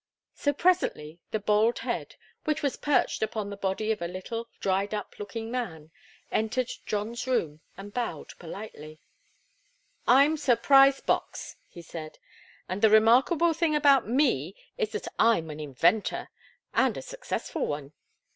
So presently the bald head, which was perched upon the body of a little, dried up looking man, entered John's room and bowed politely. "I'm Sir Pryse Bocks," he said, "and the remarkable thing about me is that I'm an inventor, and a successful one.